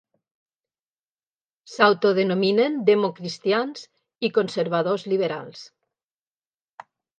S'autodenominen democristians i conservadors liberals.